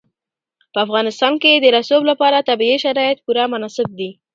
په افغانستان کې د رسوب لپاره طبیعي شرایط پوره مناسب دي.